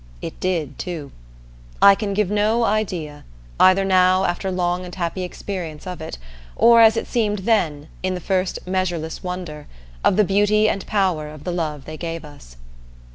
It did, too. I can give no idea either now, after long and happy experience of it, or as it seemed then, in the first measureless wonder of the beauty and power of the love they gave us.